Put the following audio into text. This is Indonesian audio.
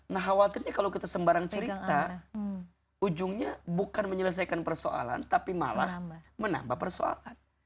nah khawatirnya kalau kita sembarang cerita ujungnya bukan menyelesaikan persoalan tapi malah menambah persoalan